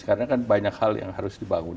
karena kan banyak hal yang harus dibangun